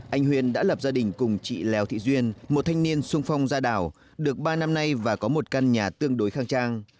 anh huyền đã lập gia đình cùng chị lèo thị duyên một thanh niên sung phong ra đảo được ba năm nay và có một căn nhà tương đối khang trang